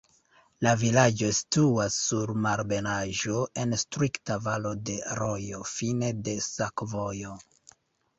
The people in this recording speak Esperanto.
La vilaĝo situas sur malebenaĵo en strikta valo de rojo, fine de sakovojo.